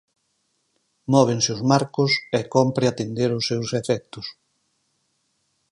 Móvense os marcos e cómpre atender os seus efectos.